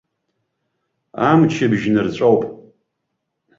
Амчыбжь нырҵәоуп.